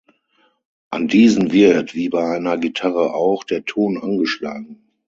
An diesen wird, wie bei einer Gitarre auch, der Ton angeschlagen.